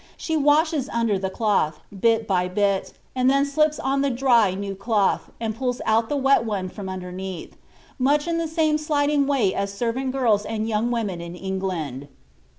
She washes under the cloth, bit by bit, and then slips on the dry, new cloth, and pulls out the wet one from underneath (much in the same sliding way as servant girls and young women in England).